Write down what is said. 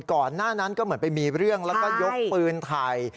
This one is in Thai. ก่อนหน้านั้นก็เหมือนไปมีเรื่องแล้วก็ยกปืนไทย